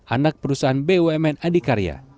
anak perusahaan bumn adikarya